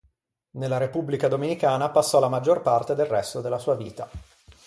Nella Repubblica Dominicana passò la maggior parte del resto della sua vita.